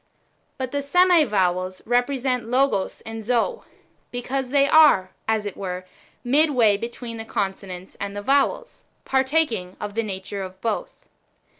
But the semi vowels^ represent Logos and Zoe, because they are, as it were, midway betw een the consonants and the vowels, partaking^ of the nature of both.